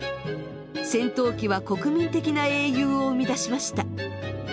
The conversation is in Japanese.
戦闘機は国民的な英雄を生み出しました。